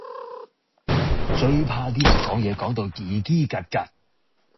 最怕啲人講嘢講到嘰嘰趷趷。